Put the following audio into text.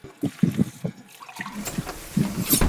庄学和属毗陵庄氏第十二世。